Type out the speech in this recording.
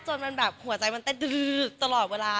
จนหัวใจมันเต้นตลอดเวลา